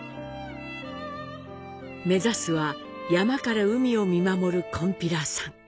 目指すは、山から海を見守る「こんぴらさん」。